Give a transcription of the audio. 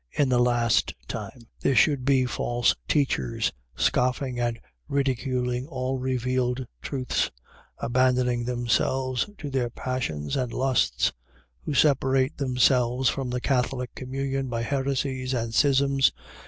in the last time) there should be false teachers, scoffing and ridiculing all revealed truths, abandoning themselves to their passions and lusts; who separate themselves from the Catholic communion by heresies and schisms.